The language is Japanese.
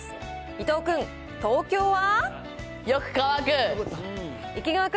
伊藤君、東京は？